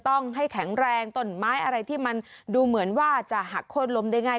ต้องให้แข็งแรงต้นไม้อะไรที่มันดูเหมือนว่าจะหักโค้นลมได้ง่าย